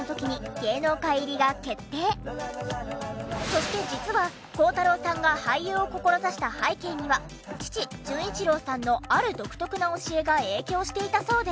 そして実は孝太郎さんが俳優を志した背景には父純一郎さんのある独特な教えが影響していたそうで。